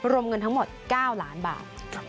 รวมเงินทั้งหมด๙ล้านบาท